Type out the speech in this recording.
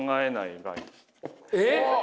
えっ？